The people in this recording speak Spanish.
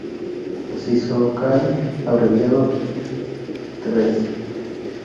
Aizoaceae, abreviado Ill.